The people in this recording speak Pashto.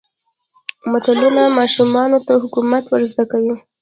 متلونه ماشومانو ته حکمت ور زده کوي.